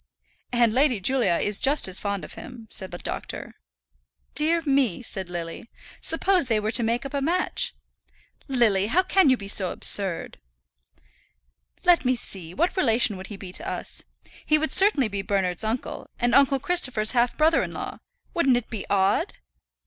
"And Lady Julia is just as fond of him," said the doctor. "Dear me!" said Lily. "Suppose they were to make up a match!" "Lily, how can you be so absurd?" "Let me see; what relation would he be to us? He would certainly be Bernard's uncle, and uncle Christopher's half brother in law. Wouldn't it be odd?"